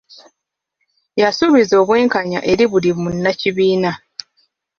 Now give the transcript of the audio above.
Yasuubiza obwenkanya eri buli munnakibiina.